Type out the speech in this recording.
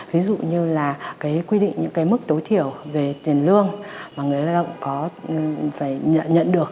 ví dụ như là quy định những mức đối thiểu về tiền lương mà người lao động có phải nhận được